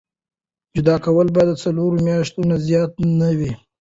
جدا کول باید د څلورو میاشتو نه زیات نه وي.